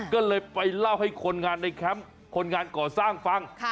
ก็เลยไปเล่าให้คนงานในแคมป์คนงานก่อสร้างฟัง